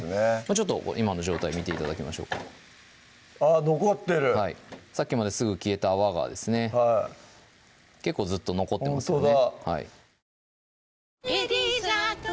ちょっと今の状態見て頂きましょうかあっ残ってるさっきまですぐ消えた泡がですね結構ずっと残ってますよね